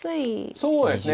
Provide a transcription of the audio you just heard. そうですね。